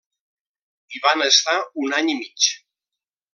Hi van estar un any i mig.